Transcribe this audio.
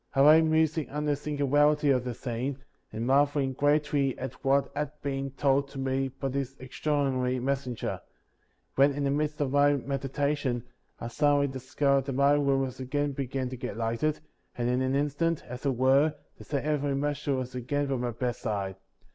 44. I lay musing on the singularity of the scene, and marveling greatly at what had been told to me by this extraordinary messenger ; when, in the midst of my meditation, I suddenly discovered that my room was again beginning to get lighted, and in an instant, as it were, the same heavenly messenger was again by my bedside.